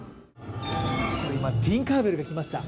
ティンカー・ベルが来ました。